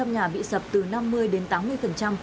một trăm linh nhà bị sập từ năm mươi đến tám mươi